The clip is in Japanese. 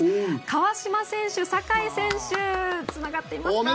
川島選手、酒井選手つながっていますか？